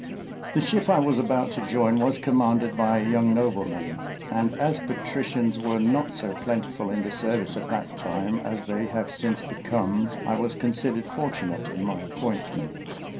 The ship I was about to join was commanded by a young nobleman, and as patricians were not so plentiful in the service at that time, as they have since become, I was considered fortunate in my appointment.